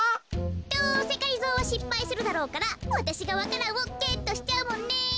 どうせがりぞーはしっぱいするだろうからわたしがわか蘭をゲットしちゃうもんね。